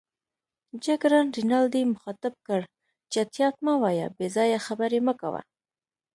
جګړن رینالډي مخاطب کړ: چټیات مه وایه، بې ځایه خبرې مه کوه.